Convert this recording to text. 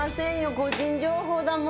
個人情報だもの。